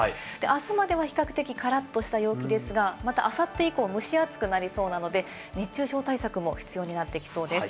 あすまでは比較的からっとした陽気ですが、またあさって以降、蒸し暑くなりそうなので熱中症対策も必要になってきそうです。